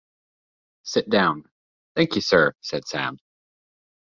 'Sit down.’ ‘Thank’ee, sir,’ said Sam.